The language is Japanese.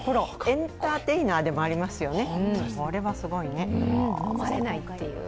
エンターテイナーでもありますよね。